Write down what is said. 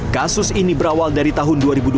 kasus ini berawal dari tahun dua ribu dua puluh